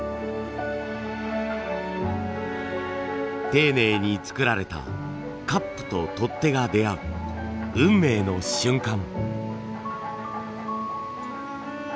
丁寧に作られたカップと取っ手が出会う運命の瞬間。